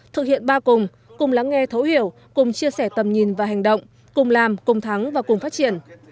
thực hiện ba cùng cùng lắng nghe thấu hiểu cùng chia sẻ tầm nhìn và hành động cùng làm cùng thắng và cùng phát triển